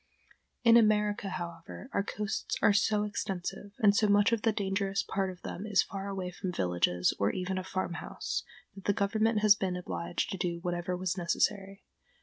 In America, however, our coasts are so extensive, and so much of the dangerous part of them is far away from villages, or even a farmhouse, that the government has been obliged to do whatever was necessary.